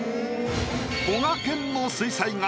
こがけんの水彩画。